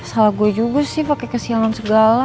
salah gua juga sih pake kesiangan segala